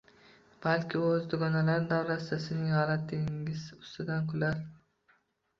Balki u o‘z dugonalari davrasida sizning “g‘alatiligingiz” ustidan kular